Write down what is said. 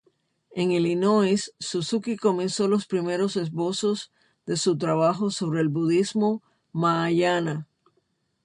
En Illinois, Suzuki comenzó los primeros esbozos de su trabajo sobre el Budismo Mahāyāna.